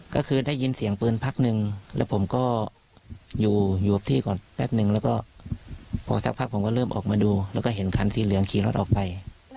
ก็คือได้ยินเสียงปืนพักหนึ่งแล้วผมก็อยู่กับที่ก่อนแป๊บนึงแล้วก็พอสักพักผมก็เริ่มออกมาดูแล้วก็เห็นคันสีเหลืองขี่รถออกไป